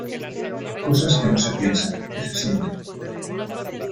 cosas que no se piensan , que se sienten .